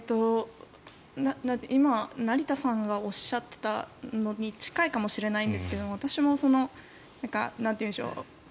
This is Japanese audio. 今成田さんがおっしゃっていたのに近いかもしれないんですが私も、なんというんでしょう。